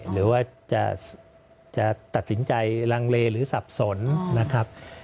หรือว่าจะตัดสินใจลังเลหรือสับสนนะครับ